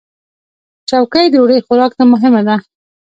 چوکۍ د ډوډۍ خوراک ته مهمه ده.